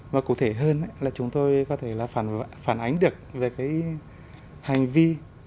và cụ thể hơn là chúng tôi có thể là phản ánh được về cái hành vi